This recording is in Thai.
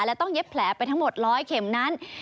และต้องเย็บแผลไปทั้งหมด๑๐๐เข็มนั้น